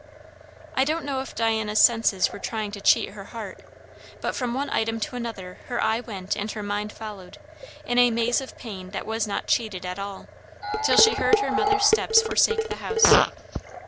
I don't know if Diana's senses were trying to cheat her heart; but from one item to another her eye went and her mind followed, in a maze of pain that was not cheated at all, till she heard her mother's steps forsake the house.